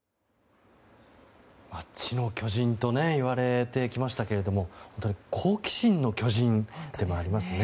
知の巨人といわれてきましたけれども好奇心の巨人でもありますよね。